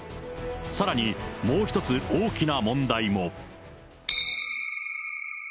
さらにもう一つ大きな問題も。